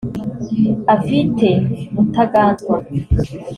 Avite Mutaganzwa